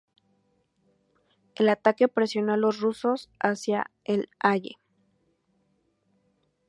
El ataque presionó a los rusos hacia el Alle.